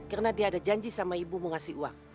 karena dia ada janji sama ibu mau ngasih uang